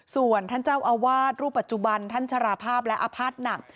ส่วนท่านเจ้าอาวาสรูปปัจจุบันท่านชราภาพและอาภาษณ์หนัก